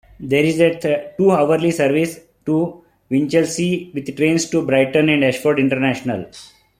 There is a two-hourly service to Winchelsea with trains to Brighton and Ashford International.